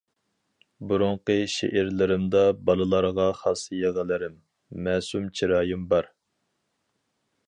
بۇرۇنقى شېئىرلىرىمدا بالىلارغا خاس يىغىلىرىم، مەسۇم چىرايىم بار.